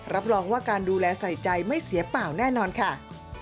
รับรองว่าการดูแลใส่ใจไม่เสียเปล่าแน่นอนค่ะ